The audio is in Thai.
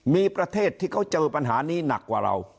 มีประเทศที่เขาเจอปัญหานี้หนักกว่าเรา